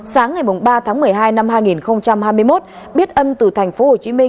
sáng ngày ba tháng một mươi hai năm hai nghìn hai mươi một biết âm từ tp hcm